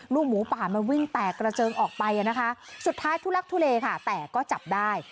หมูป่ามันวิ่งแตกกระเจิงออกไปนะคะสุดท้ายทุลักทุเลค่ะแต่ก็จับได้